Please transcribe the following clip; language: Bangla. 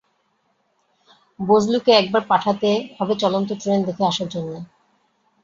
বজলুকে একবার পাঠাতে হবে চলন্ত ট্রেন দেখে আসার জন্যে।